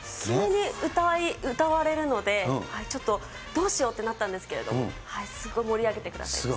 自然に歌われるのでちょっとどうしようってなったんですけれども、すごい盛り上げてくださいました。